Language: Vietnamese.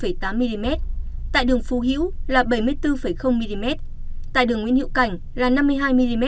là một trăm hai mươi hai tám mm tại đường phú hiễu là bảy mươi bốn mm tại đường nguyễn hiệu cảnh là năm mươi hai mm